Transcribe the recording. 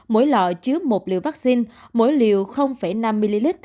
mỗi lọ chứa một liều vaccine mỗi liều năm ml